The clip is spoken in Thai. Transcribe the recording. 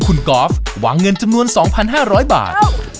คุณกอล์ฟวางเงินจำนวน๒๕๐๐บาท